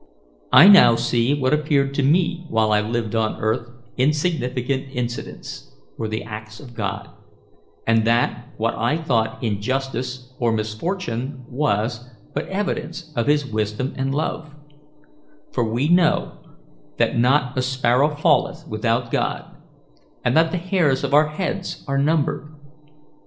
"I now see how what appeared to me while I lived on earth insignificant incidents, were the acts of God, and that what I thought injustice or misfortune was but evidence of his wisdom and love; for we know that not a sparrow falleth without God, and that the hairs of our heads are numbered.